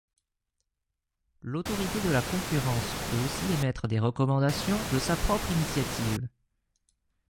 L'Autorité de la concurrence peut aussi émettre des recommandations de sa propre initiative.